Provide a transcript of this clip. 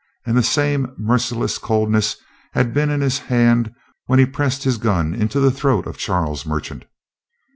And the same merciless coldness had been in his hand when he pressed his gun into the throat of Charles Merchant.